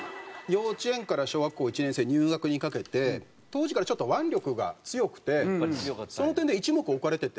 幼稚園から小学校１年生入学にかけて当時からちょっと腕力が強くてその点で一目置かれてて。